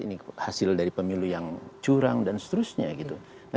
ini hasil dari pemilu yang curang dan seterusnya gitu